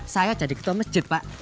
saya jadi ketua masjid pak